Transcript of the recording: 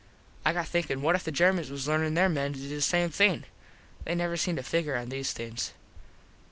I got thinkin what if the Germans was learnin there men to do the same thing. They never seem to figger on these things.